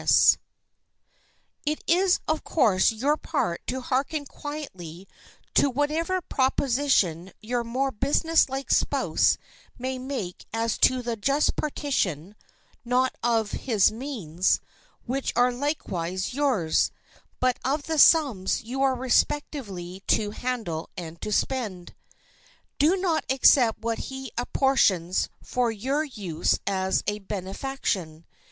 [Sidenote: THE WIFE'S PORTION] It is, of course, your part to harken quietly to whatever proposition your more businesslike spouse may make as to the just partition, not of his means, which are likewise yours, but of the sums you are respectively to handle and to spend. Do not accept what he apportions for your use as a benefaction.